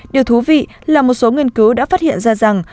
điều thú vị là một số nghiên cứu đã phát hiện ra rằng